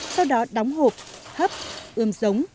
sau đó đóng hộp hấp ươm giống